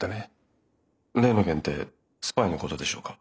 例の件ってスパイのことでしょうか？